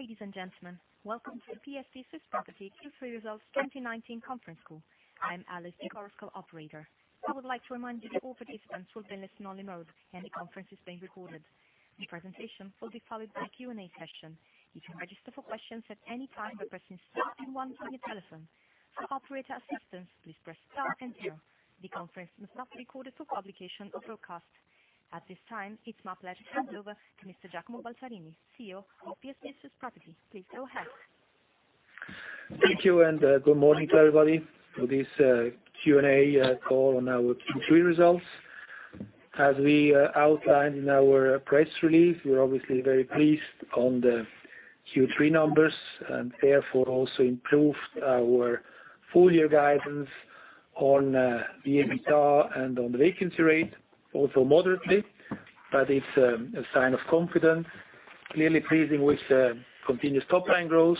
Ladies and gentlemen, welcome to the PSP Swiss Property Q3 Results 2019 conference call. I am Alice, your Chorus Call operator. I would like to remind you all participants will be in listen-only mode, and the conference is being recorded. The presentation will be followed by a Q&A session. You can register for questions at any time by pressing star and one on your telephone. For operator assistance, please press star and zero. The conference must not be recorded for publication or broadcast. At this time, it's my pleasure to hand over to Mr. Giacomo Balzarini, CEO of PSP Swiss Property. Please go ahead. Thank you, good morning to everybody for this Q&A call on our Q3 results. As we outlined in our press release, we're obviously very pleased on the Q3 numbers, and therefore also improved our full-year guidance on the EBITDA and on the vacancy rate, although moderately, but it's a sign of confidence. Clearly pleasing with continuous top-line growth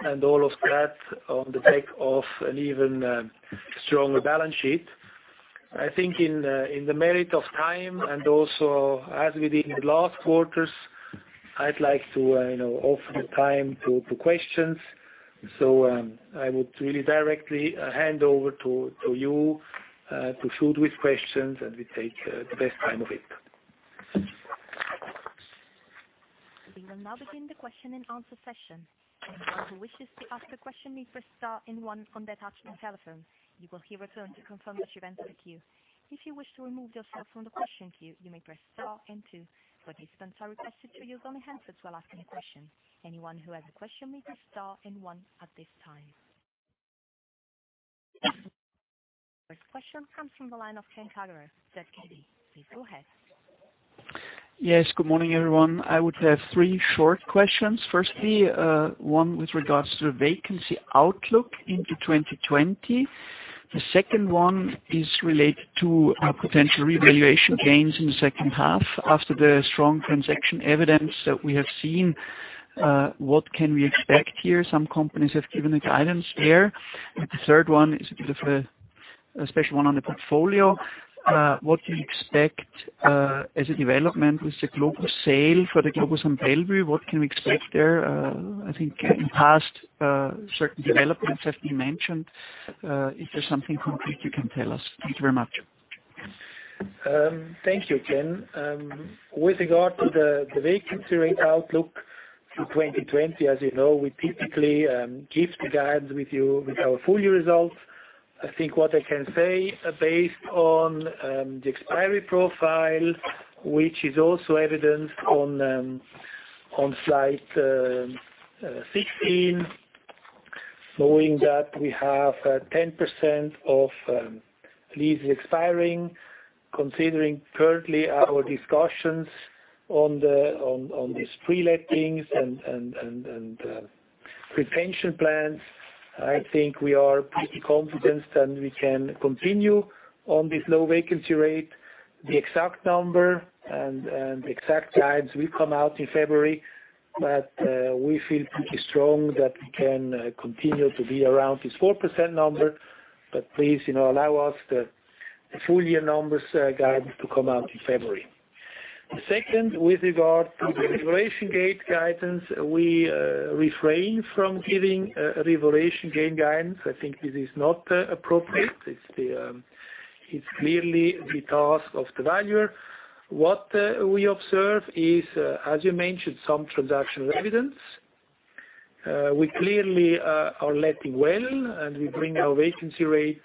and all of that on the back of an even stronger balance sheet. I think in the merit of time, and also as we did in the last quarters, I'd like to offer the time to questions. I would really directly hand over to you to shoot with questions, and we take the best time of it. We will now begin the question-and-answer session. Anyone who wishes to ask a question, may press star and one on their touch-tone telephone. You will hear a tone to confirm that you've entered the queue. If you wish to remove yourself from the question queue, you may press star and two. Participants are requested to use only handsets while asking a question. Anyone who has a question may press star and one at this time. First question comes from the line of Ken Kagerer, ZKB. Please go ahead. Yes, good morning, everyone. I would have three short questions. Firstly, one with regards to the vacancy outlook into 2020. The second one is related to potential revaluation gains in the second half. After the strong transaction evidence that we have seen, what can we expect here? Some companies have given a guidance there. The third one is a bit of a special one on the portfolio. What do you expect as a development with the Globus sale for the Globus am Bellevue? What can we expect there? I think in the past, certain developments have been mentioned. Is there something concrete you can tell us? Thank you very much. Thank you, Ken. With regard to the vacancy rate outlook for 2020, as you know, we typically give the guides with our full year results. I think what I can say based on the expiry profile, which is also evidenced on slide 16, showing that we have 10% of leases expiring. Considering currently our discussions on these pre-lettings and retention plans, I think we are pretty confident, and we can continue on this low vacancy rate. The exact number and the exact guides will come out in February, but we feel pretty strong that we can continue to be around this 4% number. Please, allow us the full year numbers guide to come out in February. The second, with regard to the revaluation gain guidance, we refrain from giving revaluation gain guidance. I think this is not appropriate. It's clearly the task of the valuer. What we observe is, as you mentioned, some transactional evidence. We clearly are letting well, and we bring our vacancy rate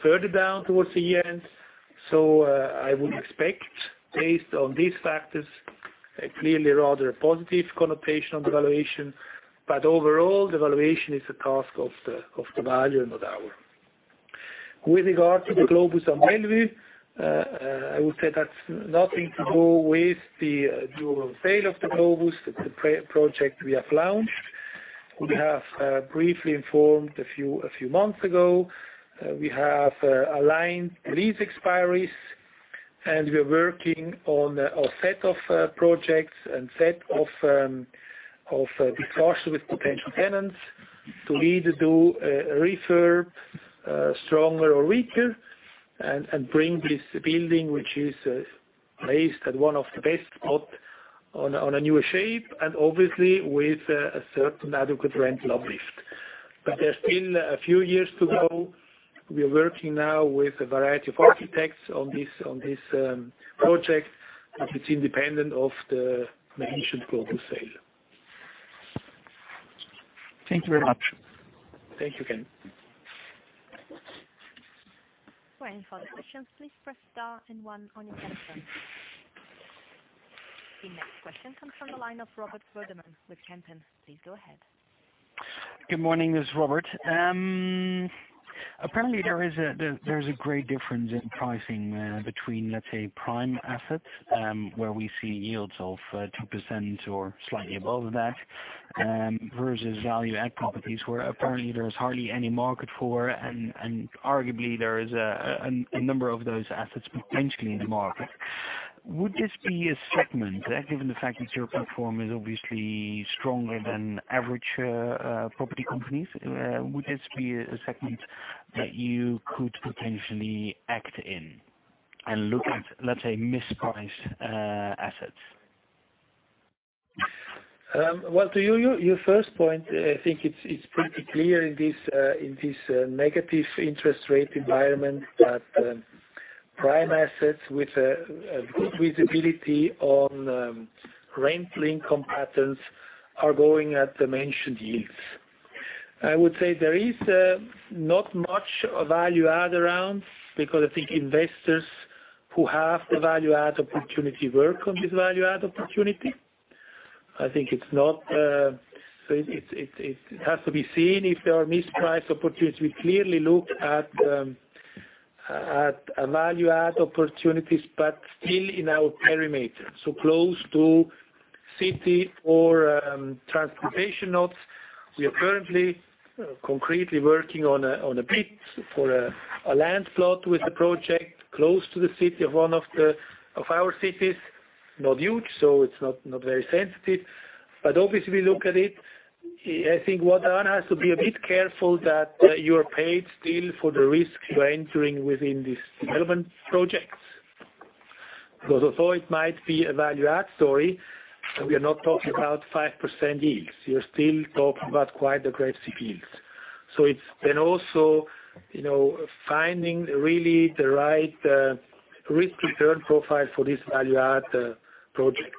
further down towards the year-end. I would expect, based on these factors, clearly rather a positive connotation on the valuation. Overall, the valuation is a task of the valuer, not ours. With regard to the Globus am Bellevue, I would say that's nothing to do with the global sale of the Globus. That's a project we have launched. We have briefly informed a few months ago. We have aligned lease expiries, and we are working on a set of projects and set of discussions with potential tenants to either do a refurb stronger or weaker and bring this building, which is based at one of the best spot, on a newer shape, and obviously with a certain adequate rent uplift. There's still a few years to go. We are working now with a variety of architects on this project, but it's independent of the mentioned Globus sale. Thank you very much. Thank you, Ken. For any further questions, please press star and one on your telephone. The next question comes from the line of Robert Woerdeman with Kempen. Please go ahead. Good morning. This is Robert. Apparently, there is a great difference in pricing between, let's say, prime assets, where we see yields of 2% or slightly above that, versus value-add properties, where apparently there is hardly any market for, and arguably, there is a number of those assets potentially in the market. Would this be a segment, given the fact that your platform is obviously stronger than average property companies? Would this be a segment that you could potentially act in and look at, let's say, mispriced assets? Well, to your first point, I think it's pretty clear in this negative interest rate environment that prime assets with a good visibility on rent-linked contracts are going at the mentioned yields. I would say there is not much value-add around because I think investors who have the value-add opportunity work on this value-add opportunity. I think it has to be seen if there are mispriced opportunities. We clearly look at value-add opportunities, but still in our perimeter, so close to city or transportation nodes. We are currently concretely working on a bid for a land plot with a project close to the city of one of our cities. Not huge, it's not very sensitive. Obviously, we look at it. I think one has to be a bit careful that you are paid still for the risk you are entering within these development projects. Although it might be a value-add story, we are not talking about 5% yields. We are still talking about quite aggressive yields. It's then also finding really the right risk return profile for this value-add project.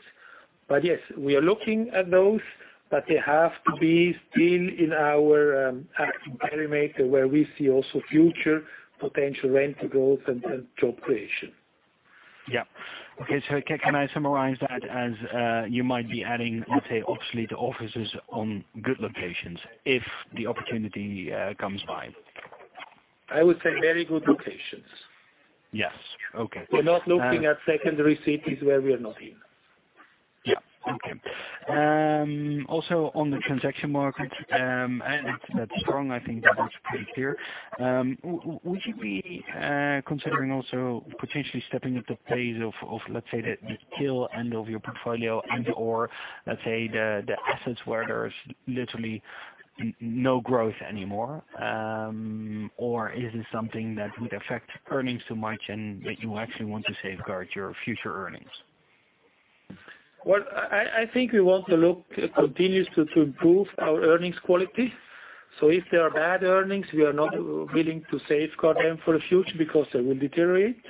Yes, we are looking at those, but they have to be still in our active perimeter where we see also future potential rental growth and job creation. Yeah. Okay. Can I summarize that as you might be adding, let's say, obsolete offices on good locations if the opportunity comes by? I would say very good locations. Yes. Okay. We're not looking at secondary cities where we are not in. Yeah. Okay. Also on the transaction market, that's strong, I think that much is pretty clear. Would you be considering also potentially stepping up the pace of, let's say, the tail end of your portfolio and/or, let's say, the assets where there is literally no growth anymore? Is it something that would affect earnings too much and that you actually want to safeguard your future earnings? Well, I think we want to look continuous to improve our earnings quality. If there are bad earnings, we are not willing to safeguard them for the future because they will deteriorate.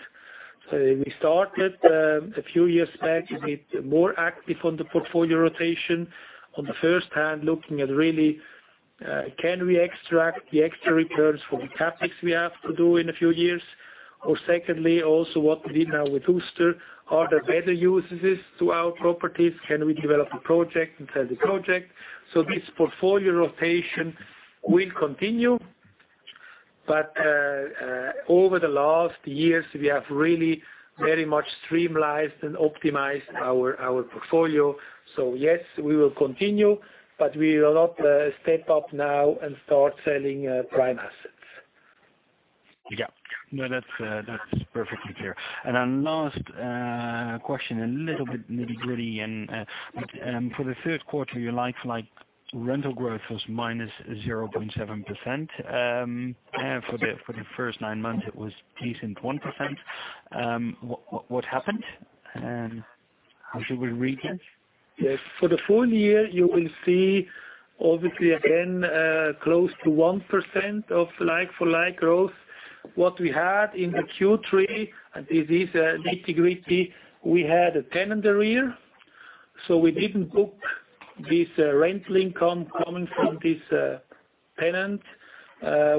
We started a few years back a bit more active on the portfolio rotation. On the first hand, looking at really, can we extract the extra returns from the CapEx we have to do in a few years? Secondly, also what we did now with Uster, are there better uses to our properties? Can we develop a project and sell the project? This portfolio rotation will continue. Over the last years, we have really very much streamlined and optimized our portfolio. Yes, we will continue, but we will not step up now and start selling prime assets. Yeah. No, that's perfectly clear. Then last question, a little bit nitty-gritty. For the third quarter, your like-for-like rental growth was -0.7%. For the first nine months, it was decent, 1%. What happened? How should we read it? Yes. For the full year, you will see obviously again, close to 1% of like-for-like growth. What we had in the Q3, and this is nitty-gritty, we had a tenant arrears, so we didn't book this rental income coming from this tenant,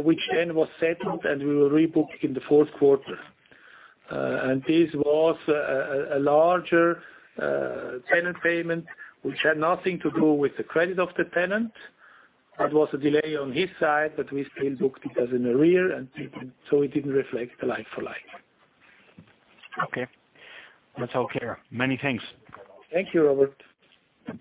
which then was settled, and we will rebook in the fourth quarter. This was a larger tenant payment, which had nothing to do with the credit of the tenant. That was a delay on his side, but we still booked it as an arrears, and so it didn't reflect the like-for-like. Okay. That's all clear. Many thanks. Thank you, Robert. The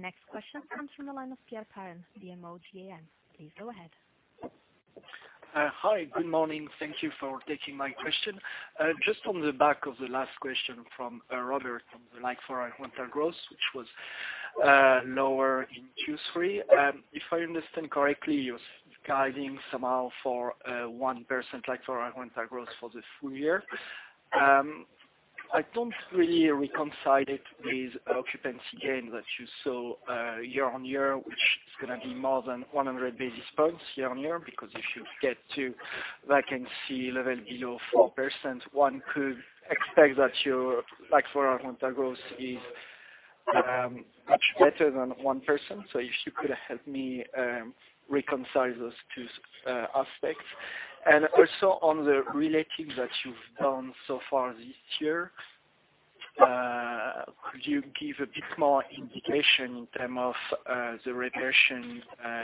next question comes from the line of Pierre Paren, BMO GAM. Please go ahead. Hi, good morning. Thank you for taking my question. Just on the back of the last question from Robert on the like-for-like rental growth, which was lower in Q3. If I understand correctly, you're guiding somehow for a 1% like-for-like rental growth for the full year. I don't really reconcile it with occupancy gain that you saw year-on-year, which is going to be more than 100 basis points year-on-year, because if you get to vacancy level below 4%, one could expect that your like-for-like rental growth is much better than 1%. If you could help me reconcile those two aspects. Also on the reletting that you've done so far this year, could you give a bit more indication in terms of the reversion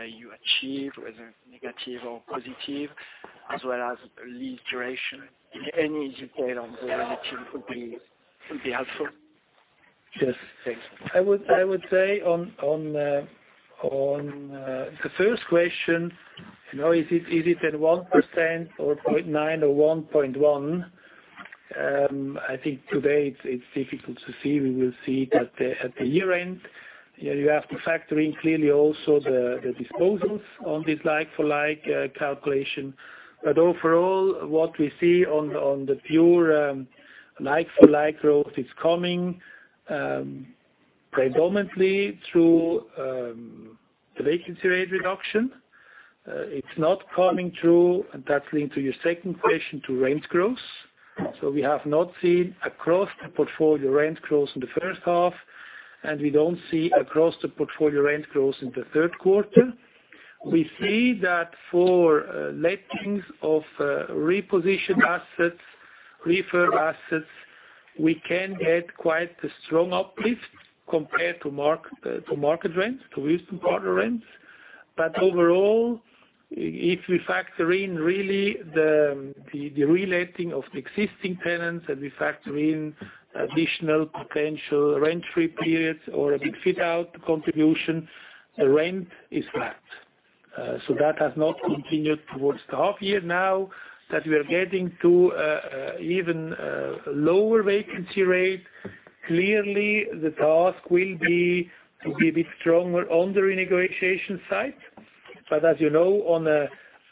you achieve, whether negative or positive, as well as lease duration? Any detail on the reletting would be helpful. Yes. Thanks. I would say on the first question, is it at 1% or 0.9% or 1.1%? I think today it's difficult to see. We will see that at the year-end. You have to factor in clearly also the disposals on this like-for-like calculation. Overall, what we see on the pure like-for-like growth is coming predominantly through the vacancy rate reduction. It's not coming through, and that's linked to your second question, to rent growth. We have not seen across the portfolio rent growth in the first half, and we don't see across the portfolio rent growth in the third quarter. We see that for lettings of repositioned assets, refurb assets, we can get quite a strong uplift compared to market rents, to recent quarter rents. Overall, if we factor in really the reletting of the existing tenants and we factor in additional potential rent-free periods or a big fit-out contribution, the rent is flat. That has not continued towards the half year now that we are getting to even lower vacancy rate. Clearly, the task will be to be a bit stronger on the renegotiation side. As you know, on a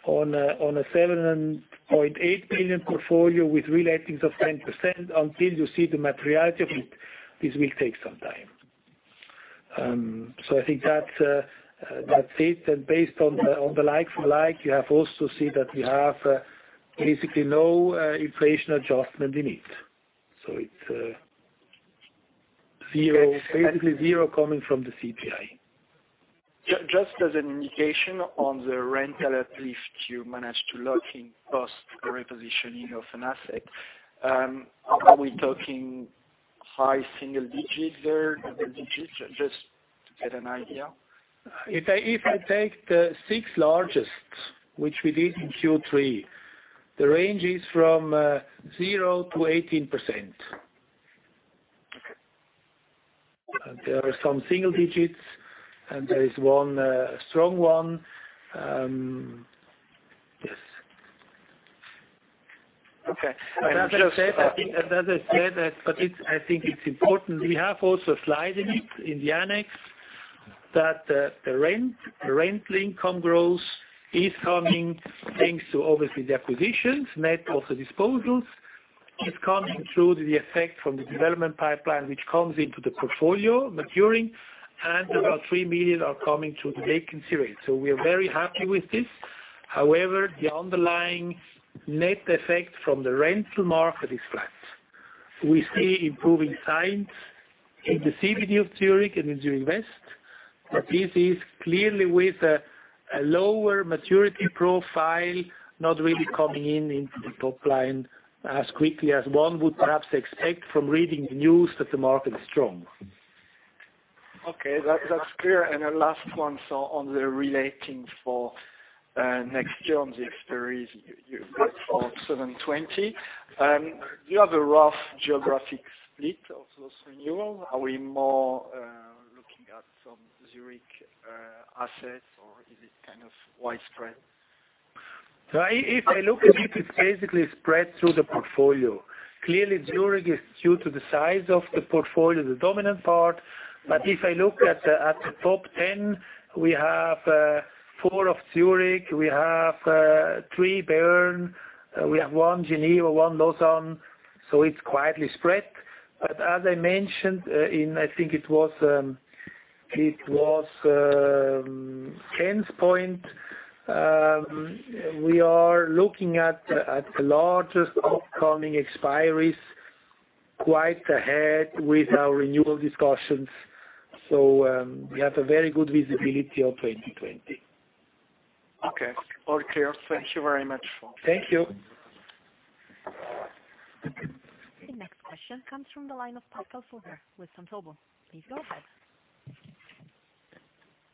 7.8 billion portfolio with relettings of 10%, until you see the materiality of it, this will take some time. I think that's it. Based on the like-for-like, you have also seen that we have basically no inflation adjustment we need. It's basically zero coming from the CPI. Just as an indication on the rental uplift you managed to lock in post the repositioning of an asset. Are we talking high single digits there, double digits? Just to get an idea. If I take the six largest, which we did in Q3, the range is from 0%-18%. There are some single digits, and there is one strong one. Yes. Okay. As I said, I think it's important, we have also a slide in it in the annex, that the rent income growth is coming thanks to obviously the acquisitions, net of the disposals. It's coming through the effect from the development pipeline, which comes into the portfolio maturing, and about 3 million are coming through the vacancy rate. We are very happy with this. However, the underlying net effect from the rental market is flat. We see improving signs in the CBD of Zürich and in Zürich West, but this is clearly with a lower maturity profile, not really coming into the top line as quickly as one would perhaps expect from reading the news that the market is strong. Okay, that's clear. Last one on the relettng for next year on the experience you had for 7.20 million. Do you have a rough geographic split of those renewals? Are we more looking at some Zürich assets, or is it kind of widespread? If I look at it's basically spread through the portfolio. Clearly, Zürich is, due to the size of the portfolio, the dominant part. If I look at the top 10, we have four of Zürich, we have three Bern, we have one Geneva, one Lausanne, so it's quietly spread. As I mentioned in, I think it was Ken's point, we are looking at the largest upcoming expiries quite ahead with our renewal discussions. We have a very good visibility of 2020. Okay. All clear. Thank you very much. Thank you. The next question comes from the line of Pascal Furger with Vontobel. Please go ahead.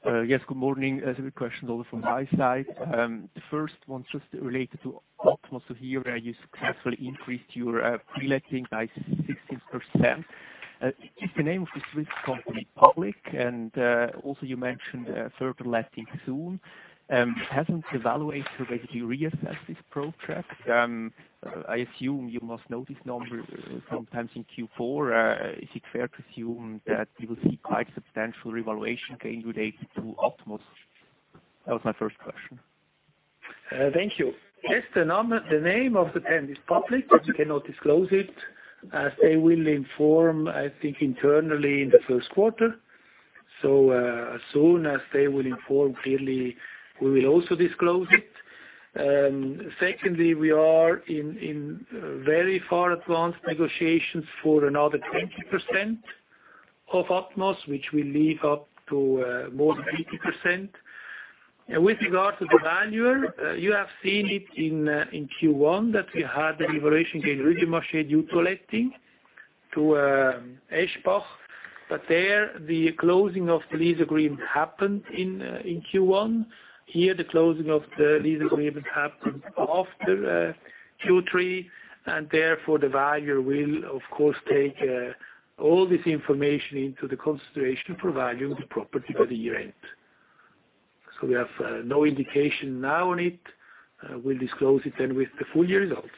Yes, good morning. I have a question also from my side. The first one just related to ATMOS. Here, where you successfully increased your reletting by 16%. Is the name of this Swiss company public? Also you mentioned a further letting soon. Hasn't evaluated whether you reassess this process? I assume you must know this number sometimes in Q4. Is it fair to assume that we will see quite substantial revaluation gain related to ATMOS? That was my first question. Thank you. Yes, the name of the tenant is public, but we cannot disclose it, as they will inform, I think, internally in the first quarter. As soon as they will inform, clearly, we will also disclose it. Secondly, we are in very far advanced negotiations for another 20% of ATMOS, which will lead up to more than 80%. With regard to the valuer, you have seen it in Q1 that we had a revaluation gain related mostly due to letting to ATMOS. There, the closing of the lease agreement happened in Q1. Here, the closing of the lease agreement happened after Q3. Therefore, the valuer will, of course, take all this information into the consideration for valuing the property by the year-end. We have no indication now on it. We'll disclose it then with the full year results.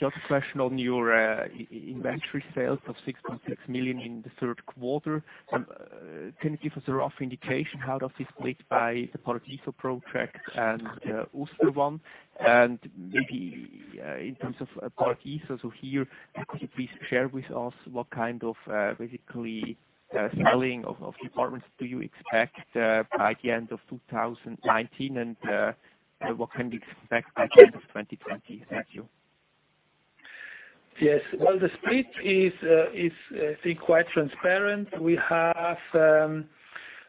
Just a question on your inventory sales of 6.6 million in the third quarter. Can you give us a rough indication how that is split by the Paradiso project and Uster one? Maybe in terms of Paradiso here, could you please share with us what kind of basically selling of apartments do you expect by the end of 2019, and what can we expect by the end of 2020? Thank you. Yes. Well, the split is, I think, quite transparent. We have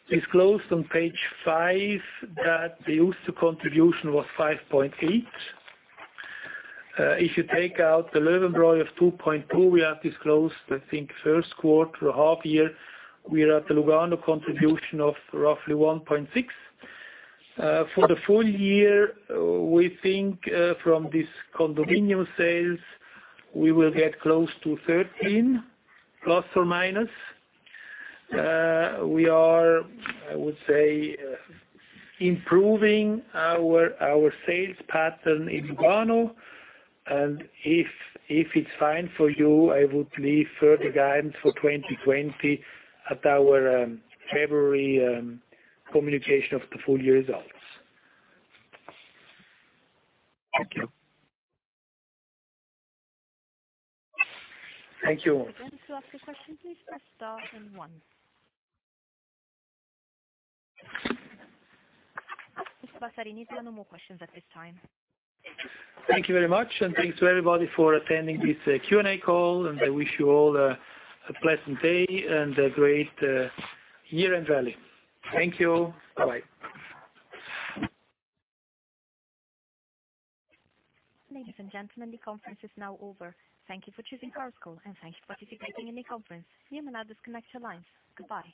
disclosed on page five that the Uster contribution was 5.8 million. If you take out the Löwenbräu of 2.2 million, we have disclosed, I think, first quarter, half year, we are at the Lugano contribution of roughly 1.6 million. For the full year, we think from these condominium sales, we will get close to 13 million±. We are, I would say, improving our sales pattern in Lugano, if it's fine for you, I would leave further guidance for 2020 at our February communication of the full year results. Thank you. Thank you. If you want to ask a question, please press star then one. Mr. Balzarini, there are no more questions at this time. Thank you very much. Thanks to everybody for attending this Q&A call. I wish you all a pleasant day and a great year and value. Thank you. Bye-bye. Ladies and gentlemen, the conference is now over. Thank you for choosing Chorus Call, and thank you for participating in the conference. You may now disconnect your lines. Goodbye.